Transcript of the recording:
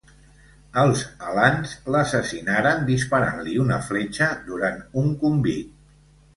Els alans l'assassinaren disparant-li una fletxa durant un convit.